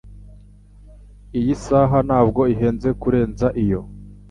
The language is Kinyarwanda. Iyi saha ntabwo ihenze kurenza iyo